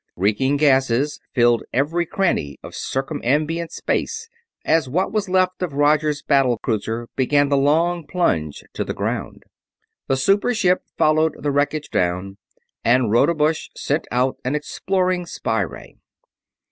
Reeking gasses filled every cranny of circumambient space as what was left of Roger's battle cruiser began the long plunge to the ground. The super ship followed the wreckage down, and Rodebush sent out an exploring spy ray. "...